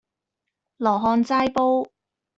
羅漢齋煲